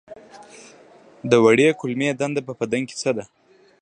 د وړې کولمې دنده په بدن کې څه ده